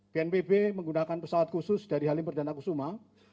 bnpb menggunakan pesawat khusus dari halim perdana kusuma